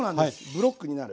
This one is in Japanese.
ブロックになる。